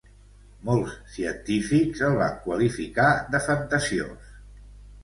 Molts científics el van qualificar de fantasiós.